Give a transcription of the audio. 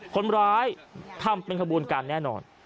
คนร้ายทำเป็นขบวนการแน่นอน